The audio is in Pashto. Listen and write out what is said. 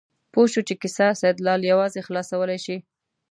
پوه شو چې کیسه سیدلال یوازې خلاصولی شي.